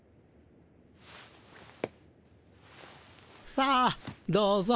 さあどうぞ。